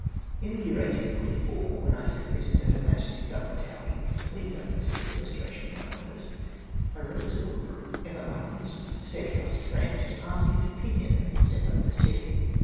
Li the 3'ear 1844, when I submitted to Her Majesty's Government how incomplete I considered the restora tion of my honours, I wrote to Lord Brougham, ever my constant and steadfast friend, to ask his (Opinio n of the ste}) I was taking.